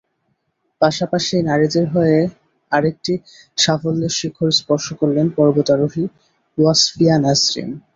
পাশাপাশি নারীদের হয়ে আরেকটি সাফল্যের শিখর স্পর্শ করলেন পর্বতারোহী ওয়াসফিয়া নাজরীন।